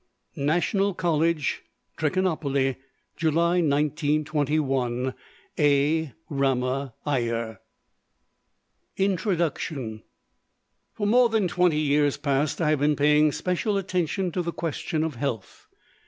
NATIONAL COLLEGE, } TRICHINOPOLY, } A. RAMA IYER. JULY 1921. } INTRODUCTION For more than twenty years past I have been paying special attention to the question of Health.